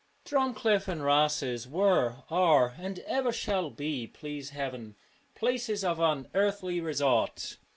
Drumcliff and Rosses were, are, and ever shall be, please Heaven ! places of unearthly resort.